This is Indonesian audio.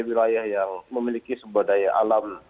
wilayah yang memiliki sumber daya alam